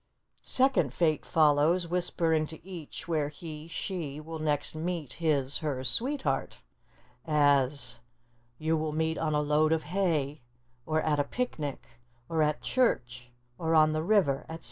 Second Fate follows, whispering to each where he (she) will next meet his (her) sweetheart; as, "You will meet on a load of hay," or, "at a picnic," or, "at church," or, "on the river," etc.